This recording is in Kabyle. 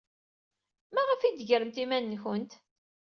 Maɣef ay d-tegremt iman-nsent?